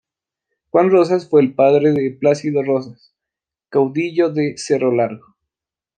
Juan Rosas fue el padre de Plácido Rosas, caudillo de Cerro Largo.